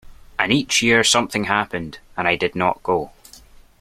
And each year something happened, and I did not go.